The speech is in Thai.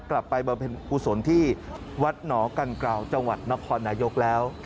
กลับไปบริเวณภูสนที่วัดหนอกันกราวจังหวัดนครนายกแล้ว